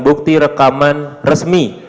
bukti rekaman resmi